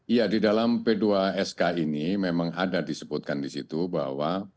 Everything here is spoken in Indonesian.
ya di dalam p dua sk ini memang ada disebutkan di situ bahwa